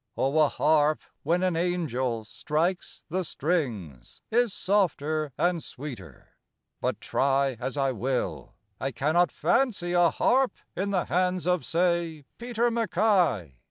O a harp when an angel strikes the strings Is softer and sweeter, but try As I will, I cannot fancy a harp In the hands of, say, Peter MacKay.